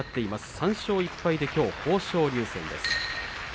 ３勝１敗できょう豊昇龍戦です。